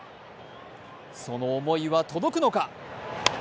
その思いは届くのか？